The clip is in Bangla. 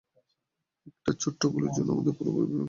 একটা ছোট্ট ভুলের জন্য আমাদের পুরো পরিবার ভেঙে যায়।